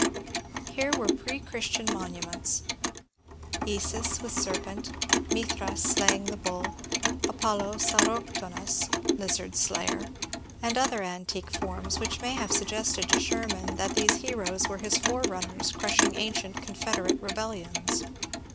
Here were pre Christian monuments, — Isis with serpent, Mithras slaying the Bull, Apollo Sauroktonos (lizard slayer), and other antique forms which may have suggested to Sherman that these heroes were his forerunners crushing ancient Confederate rebellions.